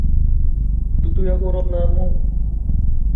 Тут у яго родная мова.